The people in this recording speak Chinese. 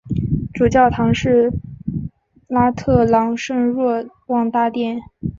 主教座堂是拉特朗圣若望大殿。